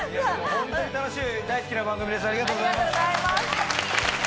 本当に楽しい大好きな番組です。